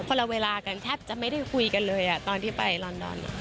ละเวลากันแทบจะไม่ได้คุยกันเลยตอนที่ไปลอนดอน